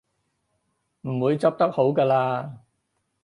唔會執得好嘅喇